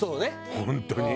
本当に。